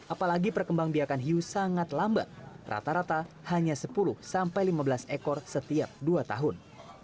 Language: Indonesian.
apalagi perkembang biakan hiu sangat lambat rata rata hanya sepuluh sampai lima belas ekor setiap dua tahun